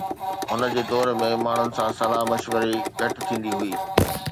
هن جي دور ۾ ماڻهن سان صلاح مشوري گهٽ ٿيندي هئي.